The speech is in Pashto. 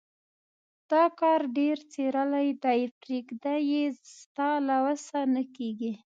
دا کار ډېر څيرلی دی. پرېږده يې؛ ستا له وسه نه کېږي.